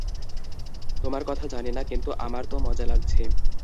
তোমার কথা জানি না, কিন্তু আমার তো মজা লাগছে।